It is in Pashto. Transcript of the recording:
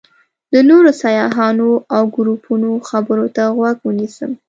د نورو سیاحانو او ګروپونو خبرو ته غوږ ونیسم.